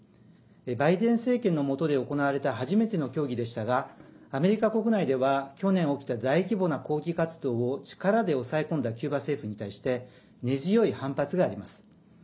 バイデン政権の下で行われた初めての協議でしたがアメリカ国内では去年起きた大規模な抗議活動を力で押さえ込んだキューバ政府に対して根強い反発があります。